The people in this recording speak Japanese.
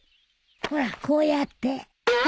ほらこうやって。